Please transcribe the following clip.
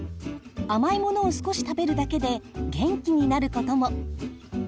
甘いものを少し食べるだけで元気になることも！